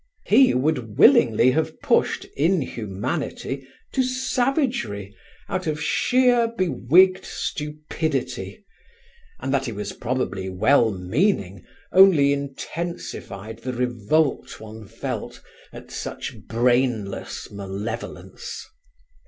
He would willingly have pushed "inhumanity" to savagery, out of sheer bewigged stupidity, and that he was probably well meaning only intensified the revolt one felt at such brainless malevolence.